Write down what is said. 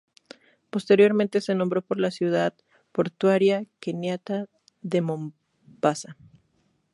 Posteriormente se nombró por la ciudad portuaria keniata de Mombasa.